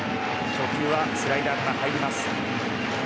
初球はスライダーから入ります。